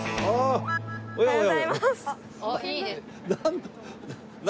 おはようございます。